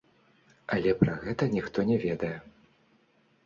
Але пра гэта ніхто не ведае.